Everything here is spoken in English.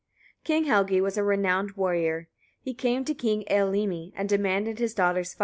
King Helgi was a renowned warrior. He came to King Eylimi and demanded his daughter Svava.